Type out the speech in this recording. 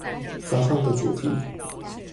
早上的主題